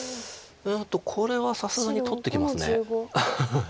これはさすがに取ってきます。